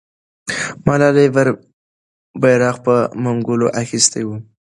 ملالۍ بیرغ په منګولو اخیستی وو.